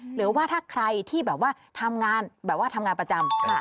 หรือว่าถ้าใครที่แบบว่าทำงานแบบว่าทำงานประจำ